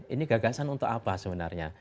ini gagasan untuk apa sebenarnya